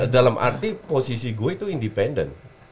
dalam arti posisi gue itu independen